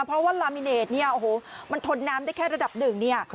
เพราะว่าลามิเนตเนี่ยโอ้โหมันทนน้ำได้แค่ระดับหนึ่งเนี่ย